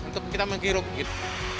untuk kita menghirup gitu